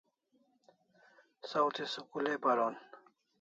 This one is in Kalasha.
Saw thi school ai paron